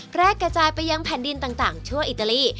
แพร่กระจายไปยังแผ่นดินต่างชั่วอิตาลี